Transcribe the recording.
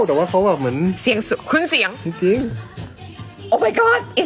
แต่ว่าเขาแบบเหมือน